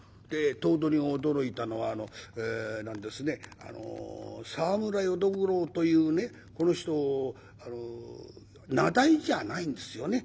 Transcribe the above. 頭取が驚いたのはあの何ですね沢村淀五郎というねこの人名題じゃないんですよね。